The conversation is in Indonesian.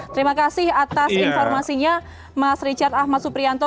terima kasih atas informasinya mas richard ahmad suprianto